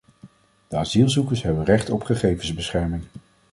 De asielzoekers hebben recht op gegevensbescherming.